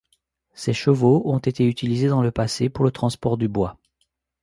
Ces chevaux ont été utilisés dans le passé pour le transport du bois.